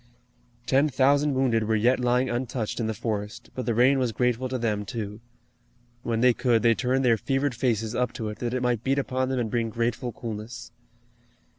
Ten thousand wounded were yet lying untouched in the forest, but the rain was grateful to them, too. When they could they turned their fevered faces up to it that it might beat upon them and bring grateful coolness.